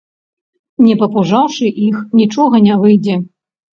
Не папужаўшы іх, нічога не выйдзе.